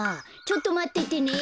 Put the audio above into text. ちょっとまっててね。